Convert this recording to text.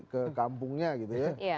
ke kampungnya gitu ya